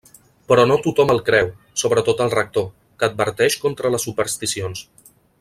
Però no tothom el creu, sobretot el rector, que adverteix contra les supersticions.